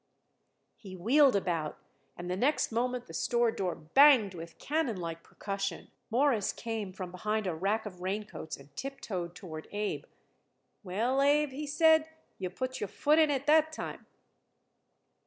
He wheeled about and the next moment the store door banged with cannon like percussion. Morris came from behind a rack of raincoats and tiptoed toward Abe. "Well, Abe," he said, "you put your foot in it that time."